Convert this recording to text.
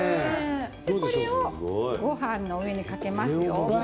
これをご飯の上にかけますよ。